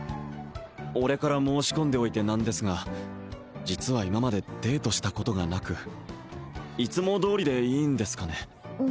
俺から申し込んでおいてなんですが実は今までデートしたことがなくいつもどおりでいいんですかね？